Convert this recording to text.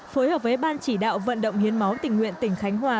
phối hợp với ban chỉ đạo vận động hiến máu tỉnh nguyện tỉnh khánh hòa